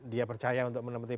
dia percaya untuk menemani